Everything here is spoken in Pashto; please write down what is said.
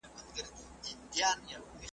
که په دې تعمیر کي هم عدالت نه وي .